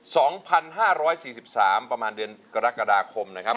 สองพันห้าร้อยสี่สิบสามประมาณเดือนกรกฎาคมนะครับ